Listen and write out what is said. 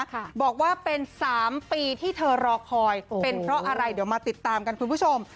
บอกว่าเป็นสามปีที่เธอรอคอยเป็นเพราะอะไรเดี๋ยวมาติดตามกันคุณผู้ชม